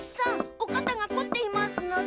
おかたがこっていますのだ。